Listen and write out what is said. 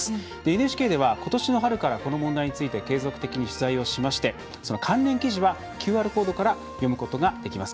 ＮＨＫでは、ことしの春からこの問題について継続的に取材をしましてその関連記事は、ＱＲコードから読むことができます。